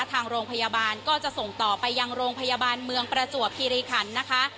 ทางโรงพยาบาลก็จะส่งต่อไปยังโรงพยาบาลเมืองประจวบคิริขันนะคะ